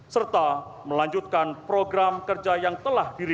serta melanjutkan program kerja yang berlaku di tni